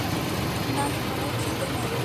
নাহ, আমার খিদে নাই।